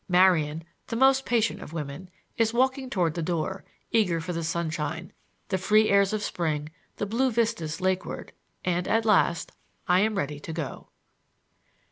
Marian—the most patient of women—is walking toward the door, eager for the sunshine, the free airs of spring, the blue vistas lakeward, and at last I am ready to go.